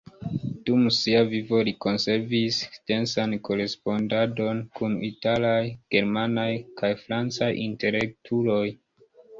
Dum sia vivo li konservis densan korespondadon kun italaj, germanaj kaj francaj intelektuloj.